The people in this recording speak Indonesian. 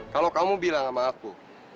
kalau kamu bilang sama aku